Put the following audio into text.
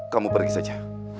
kamu pergi saja